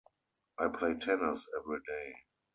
I play tennis everyday.